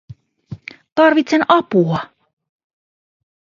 Tarvitsen apua.